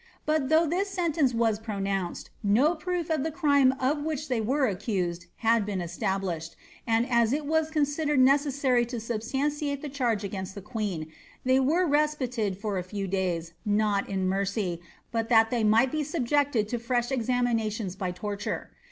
But though this sentence was pronounced, no proof of the crime of which they were accused had been established, and as it vu considered necessary to substantiate the charge against the queen, they were respited for a few days, not in mercy, but that they might be subjected to fresh examinations by torture.